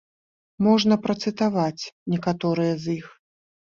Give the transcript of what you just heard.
Можна працытаваць некаторыя з іх.